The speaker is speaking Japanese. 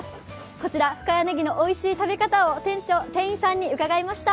こちら深谷ねぎのおいしい食べ方を店員さんに伺いました。